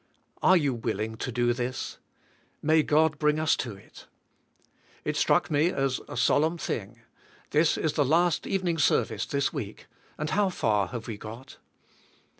Are you willing to do this? May God bring us to it! It struck me as a solemn thing . This is the last evening service this week, and how far have we got?